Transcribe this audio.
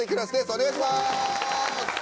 お願いします！